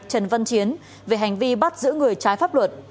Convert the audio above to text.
trần văn chiến về hành vi bắt giữ người trái pháp luật